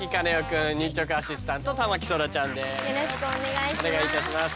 よろしくお願いします。